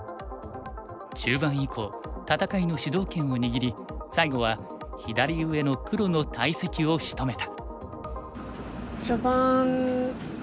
中盤以降戦いの主導権を握り最後は左上の黒の大石をしとめた。